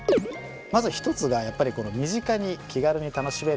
まず一つがやっぱりこの「身近に気軽に楽しめる」。